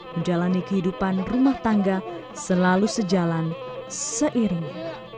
menjalani kehidupan rumah tangga selalu sejalan seiring